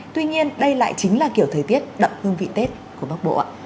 tuy nhiên đây lại chính là kiểu thời tiết đậm hương vị tết của bắc bộ ạ